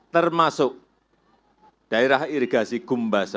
termasuk daerah irigasi gumbasa